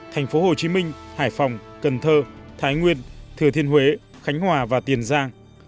thành phố hồ chí minh hải phòng cần thơ thái nguyên thừa thiên huế khánh hòa và tiền giang